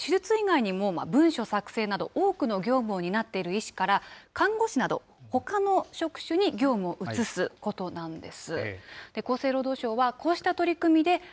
これ、何かというと、手術以外にも文書作成など、多くの業務を担っている医師から、看護師などほかの職種に業務を移すことなんです。